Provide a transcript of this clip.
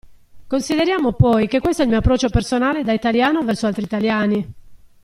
Consideriamo poi che questo è il mio approccio, personale, da italiano verso altri italiani.